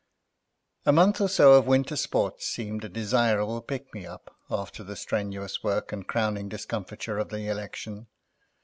A month or so of winter sport seemed a desirable pick me up after the strenuous work and crowning discomfiture of the election.